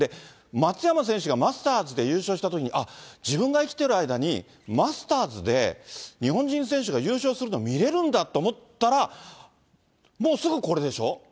松山選手がマスターズで優勝したときに、あっ、自分が生きてる間に、マスターズで日本人選手が優勝するのを見れるんだと思ったら、もうすぐこれでしょ？